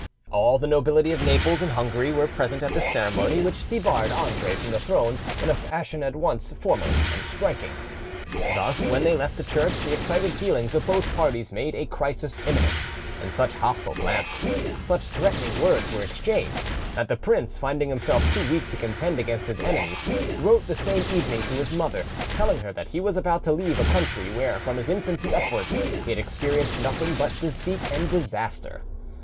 All the nobility of Naples and Hungary were present at this ceremony, which debarred Andre from the throne in a fashion at once formal and striking. Thus, when they left the church the excited feelings of both parties made a crisis imminent, and such hostile glances, such threatening words were exchanged, that the prince, finding himself too weak to contend against his enemies, wrote the same evening to his mother, telling her that he was about to leave a country where from his infancy upwards he had experienced nothing but deceit and disaster.